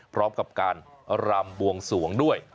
พร้อมกับการรำบวงสวงด้วย